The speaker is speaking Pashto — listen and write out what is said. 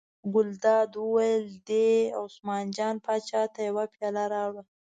ګلداد وویل: دې عثمان جان پاچا ته یوه پیاله راوړه.